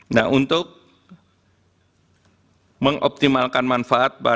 penerima bantuan sosial adalah penerima bantuan sosial yang diperoleh oleh pemerintah